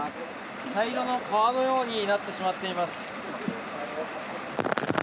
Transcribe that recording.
茶色の川のようになってしまっています。